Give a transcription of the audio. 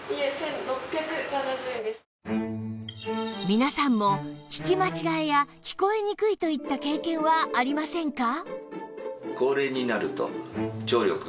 皆さんも聞き間違えや聞こえにくいといった経験はありませんか？